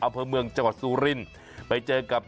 อำเภอเมืองจังหวัดซูรินไปเจอกับ